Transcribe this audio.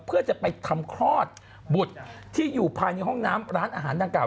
เพื่อจะไปทำคลอดบุตรที่อยู่ภายในห้องน้ำร้านอาหารดังกล่า